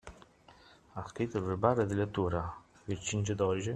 Ha scritto il verbale di lettura, Vercingetorige?